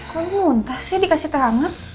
kok muntah sih dikasih teh anget